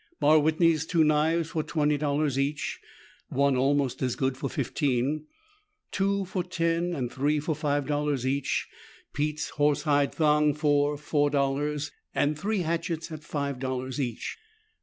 Barr Whitney's two knives for twenty dollars each, one almost as good for fifteen, two for ten and three for five dollars each. Pete's horsehide thong for four dollars and the three hatchets at five dollars each.